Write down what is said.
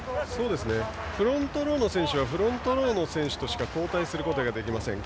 フロントローの選手はフロントローの選手としか交代することができません。